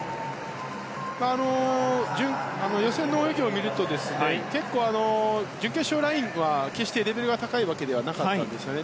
予選の泳ぎを見ると準決勝ラインは決してレベルが高いわけではなかったんですね。